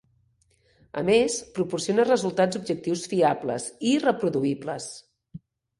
A més, proporciona resultats objectius fiables i reproduïbles.